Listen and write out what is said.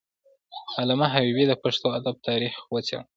علامه حبيبي د پښتو ادب تاریخ وڅیړه.